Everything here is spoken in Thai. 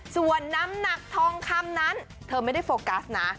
ส่วนน้ำหนักทองคำนั้นเธอไม่ได้โฟกัสนะ